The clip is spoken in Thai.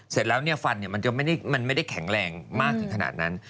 เสร็จแล้วฟันมันไม่ได้แข็งแรงมากถึงขนาดนั้น